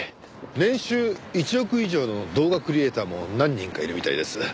年収１億以上の動画クリエイターも何人かいるみたいです。